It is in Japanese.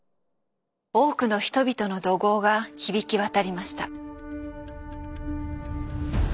多くの人々の怒号が響き渡りました。